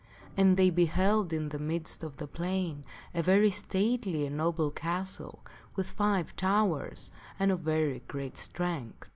And they beheld in the midst of the plain a very stately and noble castle with five towers and of very great strength.